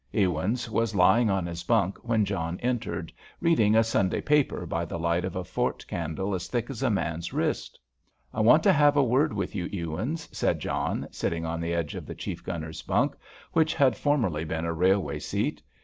Ewins was lying on his bunk when John entered, reading a Sunday paper by the light of a fort candle as thick as a man's wrist. "I want to have a word with you, Ewins," said John, sitting on the edge of the chief gunner's bunk, which had formerly been a railway seat.